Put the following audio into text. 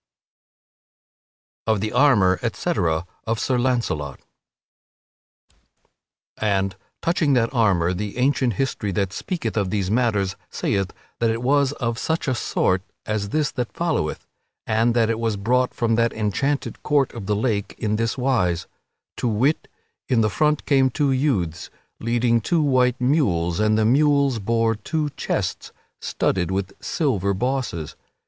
[Sidenote: Of the armor, etc., of Sir Launcelot] And, touching that armor, the ancient history that speaketh of these matters saith that it was of such a sort as this that followeth, and that it was brought from that enchanted court of the lake in this wise; to wit, in the front came two youths, leading two white mules, and the mules bore two chests studded with silver bosses.